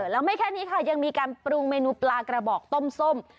แล้วไม่แค่นี้ค่ะยังมีการปรุงเมนูปลากระบอกต้มส้ม